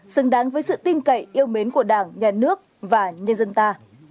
xứng đáng với sự tin cậy yêu mến của đảng nhà nước và nhân dân ta